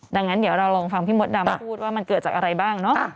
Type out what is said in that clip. ดังนั้นเดี๋ยวเราลองฟังพี่มดดำพูดว่ามันเกิดจากอะไรบ้างเนอะ